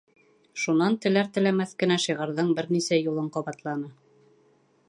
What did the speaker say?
Шунан теләр-теләмәҫ кенә шиғырҙың бер нисә юлын ҡабатланы.